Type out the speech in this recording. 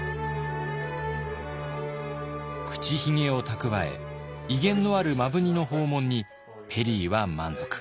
口ひげを蓄え威厳のある摩文仁の訪問にペリーは満足。